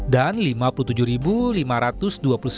dan lima puluh tujuh lima ratus dua puluh orang yang akan bersatus pns